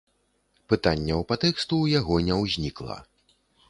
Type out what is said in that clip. Пытанняў па тэксту ў яго не ўзнікла.